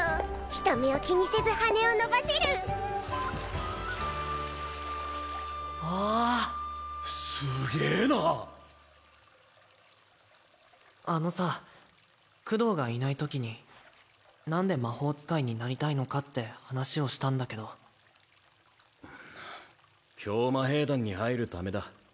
人目を気にせず羽を伸ばせるわあすげえなあのさクドーがいないときに何で魔法使いになりたいのかって話をしたんだけど教魔兵団に入るためだ